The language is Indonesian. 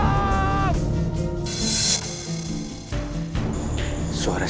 adiknya tidak akan bisa mengengertiku